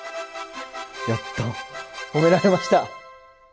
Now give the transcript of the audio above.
やった褒められました！